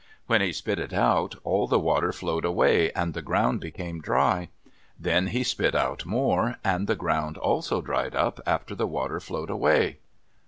When he spit it out, all the water flowed away and the ground became dry. Then he spit out more, and the ground also dried up after the water flowed away.